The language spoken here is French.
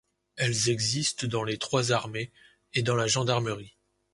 Elles existent dans les trois armées et dans la gendarmerie.